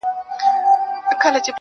خو اوس د اوښكو سپين ځنځير پر مخ گنډلی,